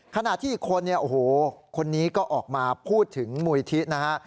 ขณะที่อีกคนเนี่ยโอ้โหคนนี้ก็ออกมาพูดถึงมูลิธินะฮะ